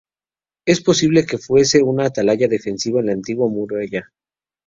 Es posible que fuese una atalaya defensiva en la antigua muralla.